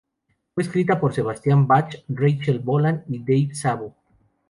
Fue escrita por Sebastian Bach, Rachel Bolan y Dave Sabo.